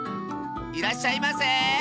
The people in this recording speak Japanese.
いらっしゃいませ！